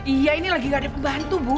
iya ini lagi gak ada pembantu bu